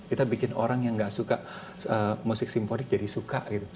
kita bikin orang yang gak suka musik simpodik jadi suka gitu